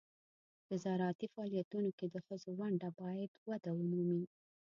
د زراعتي فعالیتونو کې د ښځو ونډه باید وده ومومي.